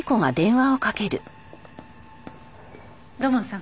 土門さん。